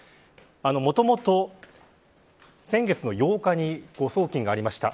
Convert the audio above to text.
もともと、先月８日に誤送金がありました。